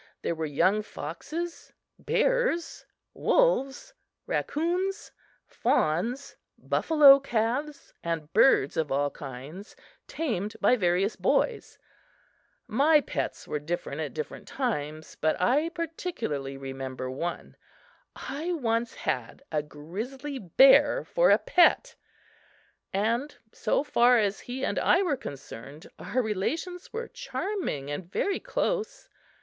There were young foxes, bears, wolves, raccoons, fawns, buffalo calves and birds of all kinds, tamed by various boys. My pets were different at different times, but I particularly remember one. I once had a grizzly bear for a pet and so far as he and I were concerned, our relations were charming and very close.